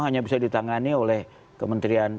hanya bisa ditangani oleh kementerian